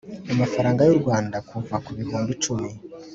amafaranga y u Rwanda kuva ku bihumbi icumi